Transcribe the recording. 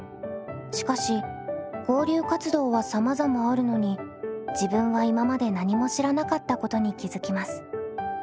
しかし交流活動はさまざまあるのに自分は今まで何も知らなかったことに気付きます。